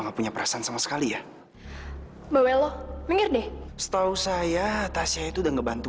nggak punya perasaan sama sekali ya mbak welo denger deh setahu saya tasyah itu udah ngebantu